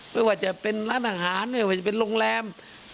ไม่ว่าจะเป็นร้านอาหารไม่ว่าจะเป็นโรงแรม